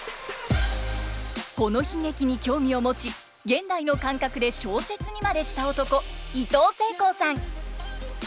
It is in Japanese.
この悲劇に興味を持ち現代の感覚で小説にまでした男いとうせいこうさん。